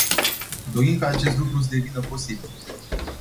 Dorim ca acest lucru să devină posibil.